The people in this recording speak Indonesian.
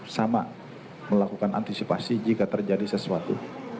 sama melakukan antisipasi jika terjadi sesuatu